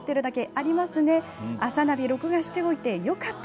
「あさナビ」録画しておいてよかった。